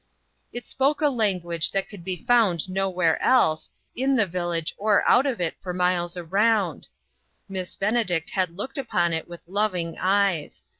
It spoke a language that could be found nowhere else, in the village or out of it for miles around. Miss Benedict had looked upon it with loving eyes.